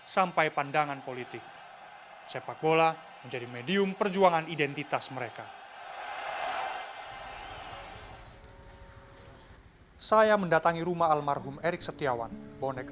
saya ingin melakukan sesuatu yang tidak bisa dilakukan